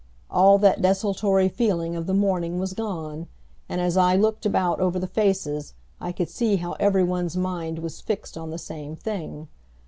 All that desultory feeling of the morning was gone, and as I looked about over the faces I could see how every one's mind was fixed on the same thing.